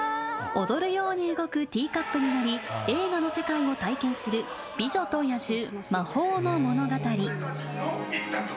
踊るように動くティーカップに乗り、映画の世界を体験する、美女と野獣魔法のものがたり。